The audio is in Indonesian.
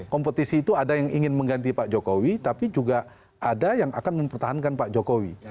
kompetisi itu ada yang ingin mengganti pak jokowi tapi juga ada yang akan mempertahankan pak jokowi